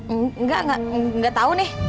enggak enggak tahu nih